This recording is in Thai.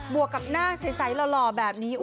วกกับหน้าใสหล่อแบบนี้